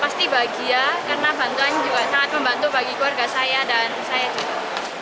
pasti bahagia karena bantuan juga sangat membantu bagi keluarga saya dan saya juga